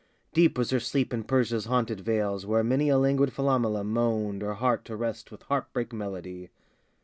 Deep was her sleep in Persia's haunted vales, Where many a languid Philomela moaned Her heart to rest with heartbreak melody.